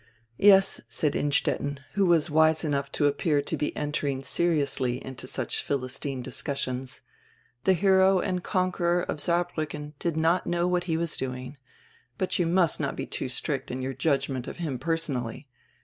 "Yes," said Innstetten, who was wise enough to appear to be entering seriously into such Philistine discussions, "die hero and conqueror of Saarbriicken did not know what he was doing. But you must not be too strict in your judgment of him personally.